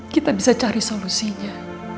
kita bisa cari solusinya